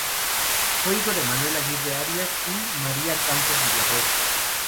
Fue hijo de Manuel Aguirre Arias y de María Campos Villarroel.